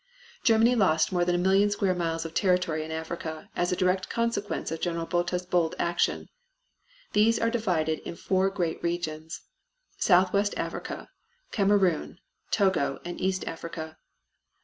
Germany lost more than a million square miles of territory in Africa as a direct consequence of General Botha's bold action. These are divided in four great regions, Southwest Africa, Kamerun, Togo and East Africa.